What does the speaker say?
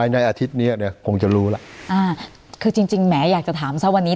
ในอาทิตย์เนี้ยเดี๋ยวคงจะรู้ล่ะอ่าคือจริงจริงแหมอยากจะถามซะวันนี้